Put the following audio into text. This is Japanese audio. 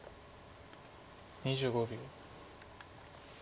２５秒。